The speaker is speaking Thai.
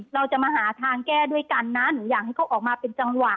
เราจะมาหาทางแก้ด้วยกันนะหนูอยากให้เขาออกมาเป็นจังหวะ